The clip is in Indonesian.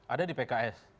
ada di pks